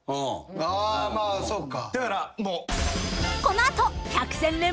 あーまあそうか。